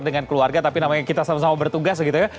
dengan keluarga tapi namanya kita sama sama bertugas gitu ya